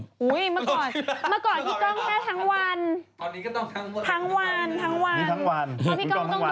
มาก่อนพี่ก้องแค่ทั้งวัน